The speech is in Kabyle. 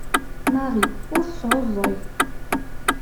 Marie ur tesɛuẓẓeg.